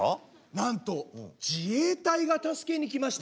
「なんと自衛隊が助けに来ました！」。